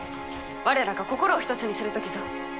我らが心を一つにする時ぞ。